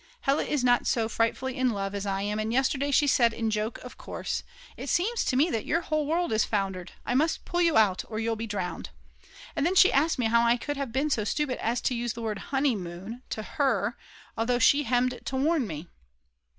_ Hella is not so frightfully in love as I am, and yesterday she said, in joke of course: "It seems to me that your whole world is foundered; I must pull you out, or you'll be drowned." And then she asked me how I could have been so stupid as to use the word honeymoon to her, although she hemmed to warn me.